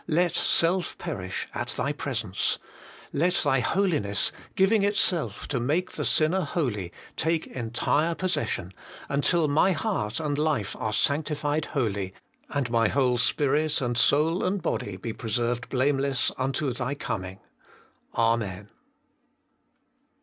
Let self perish at Thy presence. Let Thy Holiness, giving itself to make the sinner holy, take entire possession, until my heart and life are sanctified wholly, and my whole spirit and soul and body be preserved blameless unto Thy coming. Amen.